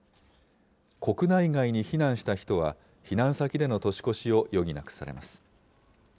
国内外に避難した人は、避難先での年越しを余儀なくされます。